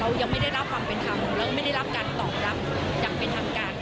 ยังไม่ได้รับความเป็นธรรมแล้วไม่ได้รับการตอบรับอย่างเป็นทางการ